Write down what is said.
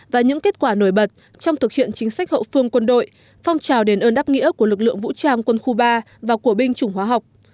và những kết quả nổi bật trong thực hiện chính sách hậu phương quân đội phong trào đền ơn đáp nghĩa của lực lượng vũ trang quân khu ba và của binh chủng hóa học